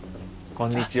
こんにちは。